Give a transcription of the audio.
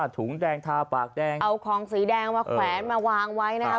ถุงแดงทาปากแดงเอาของสีแดงมาแขวนมาวางไว้นะครับ